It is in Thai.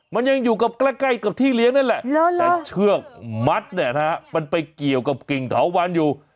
มันยังอยู่กับใกล้กับที่เลี้ยงนั่นแหละแต่เชือกมัดเนี่ยนะฮะมันไปเกี่ยวกับกิ่งเถาวันอยู่